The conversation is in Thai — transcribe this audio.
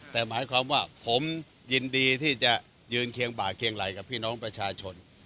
แต่หมายความว่าผมยินดีที่จะยืนเคียงบ่าเคียงไหลกับพี่น้องประชาชน